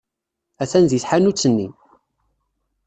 Atan deg tḥanut-nni.